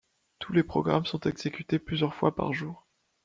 Tous les programmes sont exécutés plusieurs fois par jour.